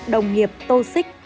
đồng nghiệp tô xích